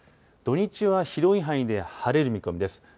土日は広い範囲で晴れる見込みです。